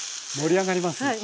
盛り上がります。